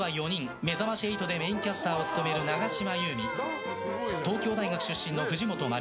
「めざまし８」でメインキャスターを務める永島優美に東京大学出身の藤本万梨